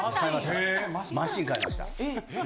マシン買いました。